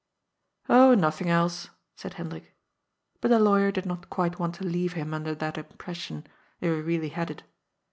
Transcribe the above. " Oh, nothing else," said Hendrik. But the lawyer did not quite want to leave him under that impression— if he really had it.